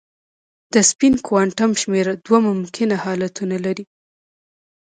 د سپین کوانټم شمېره دوه ممکنه حالتونه لري.